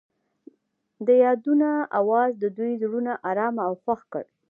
د یادونه اواز د دوی زړونه ارامه او خوښ کړل.